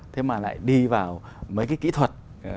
thế mà lại đi vào mấy cái kỹ thuật